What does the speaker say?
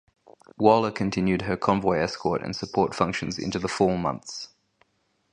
"Waller" continued her convoy escort and support functions into the fall months.